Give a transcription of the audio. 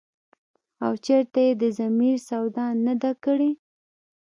او چرته ئې د ضمير سودا نه ده کړې ۔”